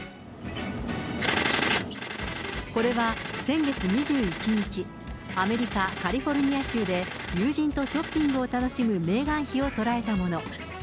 これは先月２１日、アメリカ・カリフォルニア州で友人とショッピングを楽しむメーガン妃を捉えたもの。